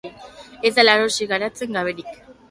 Ez da larrosik, arantza gaberik.